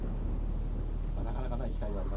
なかなかない機会です。